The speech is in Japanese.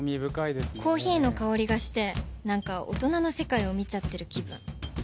コーヒーの香りがしてなんか大人の世界を見ちゃってる気分。